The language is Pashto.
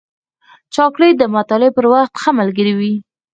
چاکلېټ د مطالعې پر وخت ښه ملګری وي.